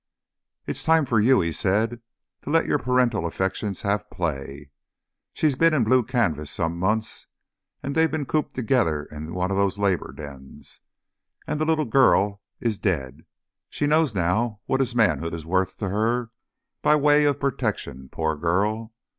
"It's time for you," he said, "to let your parental affections have play. She's been in blue canvas some months, and they've been cooped together in one of those Labour dens, and the little girl is dead. She knows now what his manhood is worth to her, by way of protection, poor girl.